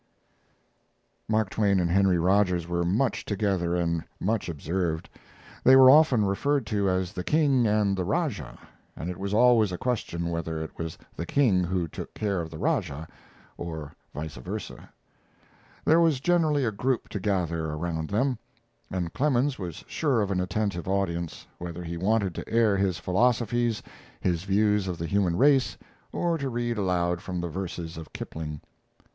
Mark Twain and Henry Rogers were much together and much observed. They were often referred to as "the King" and "the Rajah," and it was always a question whether it was "the King" who took care of "the Rajah," or vice versa. There was generally a group to gather around them, and Clemens was sure of an attentive audience, whether he wanted to air his philosophies, his views of the human race, or to read aloud from the verses of Kipling.